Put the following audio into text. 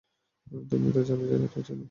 তুমি তো জায়গাটা চেনো।